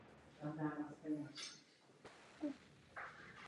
Jednostranné stažení bez vyjednávání, bez partnera k vyjednávání nedává smysl.